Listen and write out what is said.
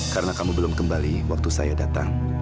karena kamu belum kembali waktu saya datang